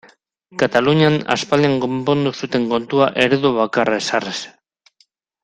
Katalunian aspaldian konpondu zuten kontua eredu bakarra ezarriz.